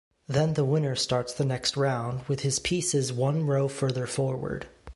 Then the winner starts the next round, with his pieces one row further forward.